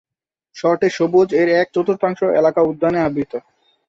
শহরটি সবুজ, এর এক চতুর্থাংশ এলাকা উদ্যানে আবৃত।